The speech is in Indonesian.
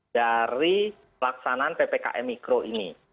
dari pelaksanaan ppkm mikro ini